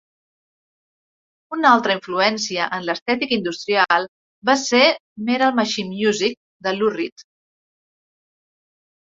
Una altra influència en l'estètica industrial va ser "Metal Machine Music" de Lou Reed.